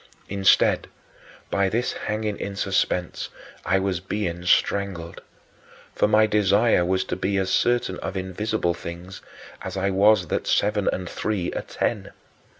Instead, by this hanging in suspense, I was being strangled. For my desire was to be as certain of invisible things as I was that seven and three are ten.